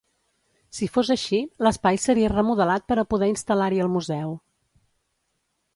Si fos així, l’espai seria remodelat per a poder instal·lar-hi el museu.